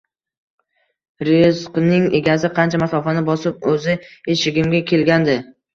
Rizqning egasi qancha masofani bosib oʻzi eshigimga kelgandi